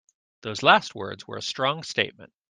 Those last words were a strong statement.